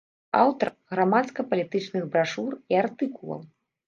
Аўтар грамадска-палітычных брашур і артыкулаў.